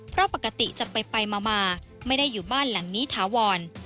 เพราะปกติจะไปมาไม่ได้อยู่บ้านหลังนี้ถาวร